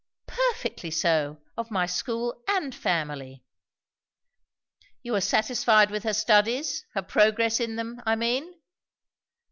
"Perfectly so! Of my school and family." "You are satisfied with her studies, her progress in them, I mean?"